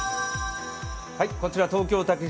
こちら東京竹芝